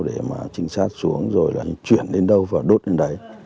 để mà trinh sát xuống rồi là chuyển đến đâu và đốt đến đấy